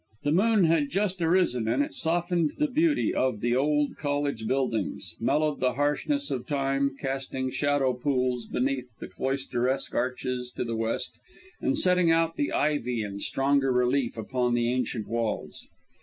The moon had just arisen, and it softened the beauty of the old college buildings, mellowed the harshness of time, casting shadow pools beneath the cloisteresque arches to the west and setting out the ivy in stronger relief upon the ancient walls.